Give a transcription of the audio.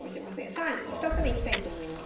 さあ２つ目いきたいと思います。